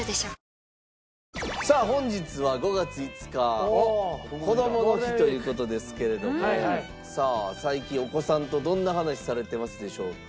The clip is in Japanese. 本日は５月５日こどもの日という事ですけれどもさあ最近お子さんとどんな話されてますでしょうか？